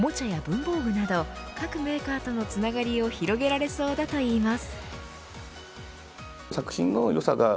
りぼんとしてはおもちゃや文房具など各メーカーとのつながりを広げられそうだといいます。